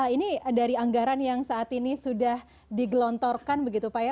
ini dari anggaran yang saat ini sudah digelontorkan begitu pak ya